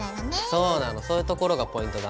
そうなのそういうところがポイントだね。